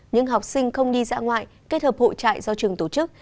những học sinh không đi dã ngoại kết hợp hội trại do trường tổ chức